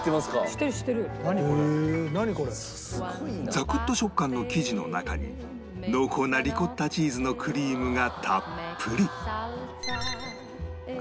ザクッと食感の生地の中に濃厚なリコッタチーズのクリームがたっぷり